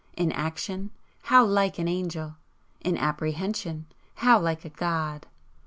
in action how like an angel! in apprehension how like a god!"